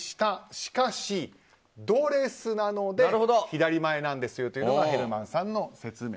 しかし、ドレスなので左前なんですよというのがヘルマンさんの説明。